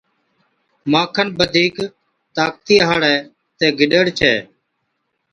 مان کن بڌِيڪ طاقتِي هاڙَي تہ گِڏڙ ڇَي۔